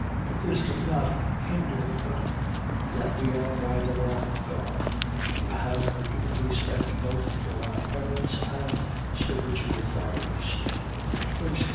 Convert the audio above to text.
But this does not hinder but that we are by the law of God to have a due respect both for our parents and spiritual fathers, (1 Cor.